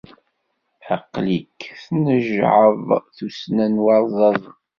Aql-ik tnejɛeḍ tusna n warẓaẓen.